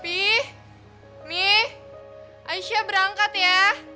pih mie aisyah berangkat ya